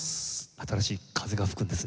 新しい風が吹くんですね。